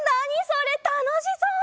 それたのしそう！